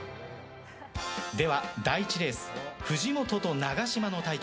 では第１レース藤本と永島の対決。